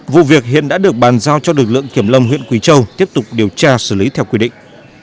vụ việc hiện đã được bàn giao cho lực lượng kiểm lâm huyện quỳ châu tiếp tục điều tra xử lý theo quy định